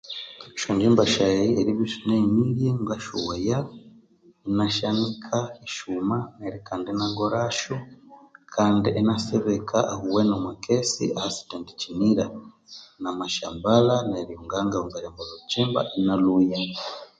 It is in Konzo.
Esyonjimba syaghe eribya esinahenirye ngasyoghaya inasyanika isuma neryo kandi inagorasyo kandi inasibika ahuwene omwa kessi ahasithendi kinira namasyambalha neryo nganga ghunza eryambalha olhukimba inalhwoya